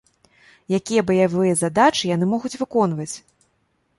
Якія баявыя задачы яны могуць выконваць?